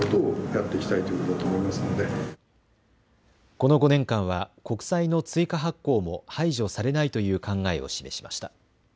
この５年間は国債の追加発行も排除されないという考えを示しました。